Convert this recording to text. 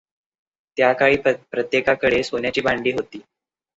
त्या काळी प्रत्येकाकडे सोन्याची भांडी होती.